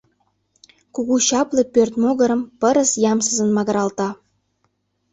Кугу-чапле пӧрт могырым пырыс ямсызын магыралта.